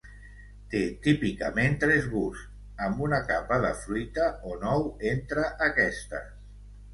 Té típicament tres gusts, amb una capa de fruita o nou entre aquestes.